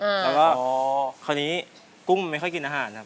คราวนี้กุ้งมันไม่ค่อยกินอาหารครับ